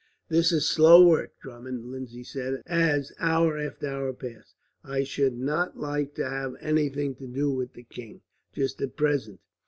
"This is slow work, Drummond," Lindsay said, as hour after hour passed. "I should not like to have anything to do with the king, just at present.